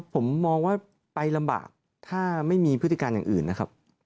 ผมมองว่าไปลำบากถ้าไม่มีพฤติการอย่างอื่นนะครับ